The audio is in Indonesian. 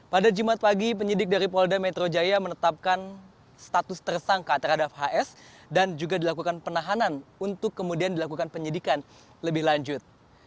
pada jumat pagi penyidik dari polda metro jaya menetapkan status tersangka terhadap hs dan juga dilakukan penahanan untuk kemudian dilakukan penyidikan lebih lanjut